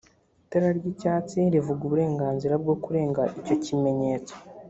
itara ry’icyatsi rivuga uburenganzira bwo kurenga icyo kimenyetso